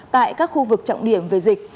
tại các khu vực trọng điểm về dịch